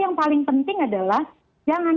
yang paling penting adalah jangan